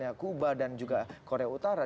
ya kuba dan juga korea utara